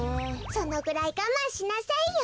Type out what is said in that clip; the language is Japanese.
そのぐらいがまんしなさいよ。